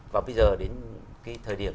và bây giờ đến cái thời điểm